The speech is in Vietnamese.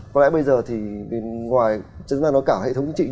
có lẽ bây giờ thì bên ngoài chúng ta nói cả hệ thống chính trị